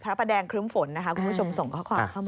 พระประแดงครึ้มฝนนะคะคุณผู้ชมส่งข้อความเข้ามา